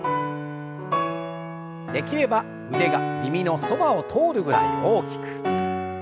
できれば腕が耳のそばを通るぐらい大きく。